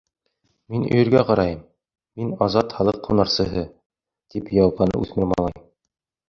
Мин өйөргә ҡарайым, мин — Азат Халыҡ һунарсыһы, — тип яуапланы үҫмер малай.